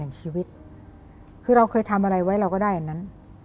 ชีวิตคือเราเคยทำอะไรไว้เราก็ได้อันนั้น